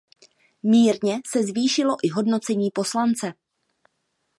Mírně se zvýšilo i hodnocení poslance.